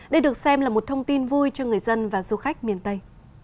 đây được xem là một thông tin vui cho người dân và du khách miền tây